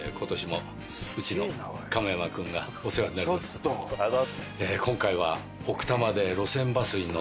今年もありがとうございます。